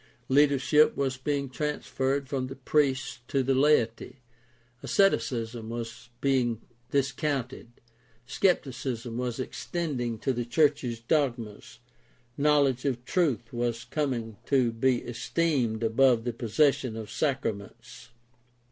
Leadership was being transferred from the priests to the laity, asceticism was being discounted, skepticism was extending to the church's dogmas, knowledge of truth was coming to be esteemed above the possession of sacraments.